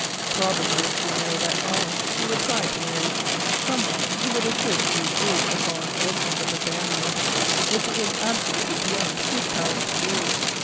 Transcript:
Probably if she married at all she would try to marry someone who would assist to retrieve the fallen fortunes of her family, which it was absolutely beyond his power to do.